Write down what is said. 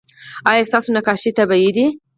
ایا ستاسو نقاشي طبیعي ده؟